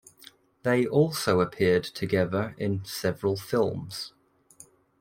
They also appeared together in several films.